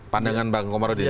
pandangan bang komarudin